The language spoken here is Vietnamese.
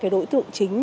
ba đối tượng chính